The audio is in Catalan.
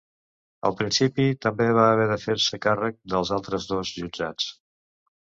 Al principi també va haver de fer-se càrrec dels altres dos jutjats.